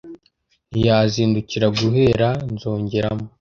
Ntiyazindukira guhera nzongeramo